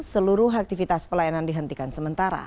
seluruh aktivitas pelayanan dihentikan sementara